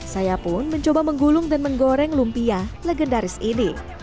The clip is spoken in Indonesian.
saya pun mencoba menggulung dan menggoreng lumpia legendaris ini